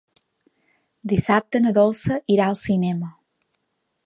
Dissabte na Dolça irà al cinema.